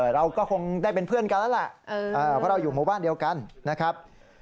เราก็คงได้เป็นเพื่อนกันแล้วแหละเพราะเราอยู่หมู่บ้านเดียวกันนะครับ